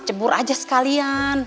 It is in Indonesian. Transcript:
cebur aja sekalian